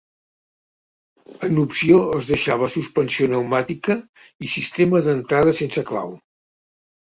En opció es deixava suspensió neumàtica i sistema d'entrada sense clau.